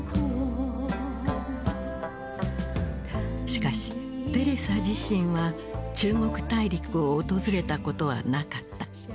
しかしテレサ自身は中国大陸を訪れたことはなかった。